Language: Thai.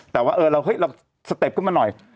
แต่ว่าเราสเต็ปขึ้นมาหน่อย